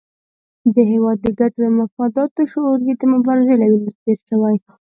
د هېواد د ګټو او مفاداتو شعور یې د مبارزې له وینو تېر شوی.